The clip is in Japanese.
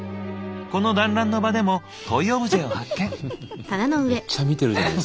この団らんの場でもトイオブジェを発見。